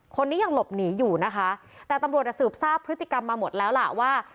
คนนี้ยังหลบหนีอยู่นะคะแต่ตำรวจสืบทราบพฤติกรรมมาหมดแล้วล่ะว่า